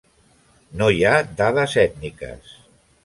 No hi ha dades ètniques.